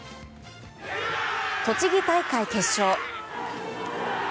栃木大会決勝。